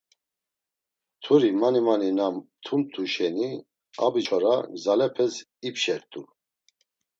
Mturi mani mani na mtumt̆u şeni abiçora gzalepes ipşert̆u.